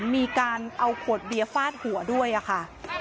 มีการเอาขวดเบียร์ฟาดหัวด้วยค่ะ